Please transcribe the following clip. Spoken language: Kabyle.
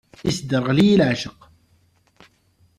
Isderɣel-iyi leεceq.